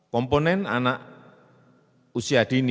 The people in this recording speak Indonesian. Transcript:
komponen anak usia dini